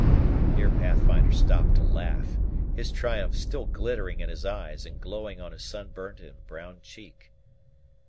Here Pathfinder stopped to laugh, his triumph still glittering in his eyes and glowing on his sunburnt and browned cheek.